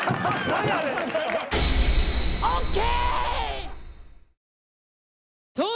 ＯＫ！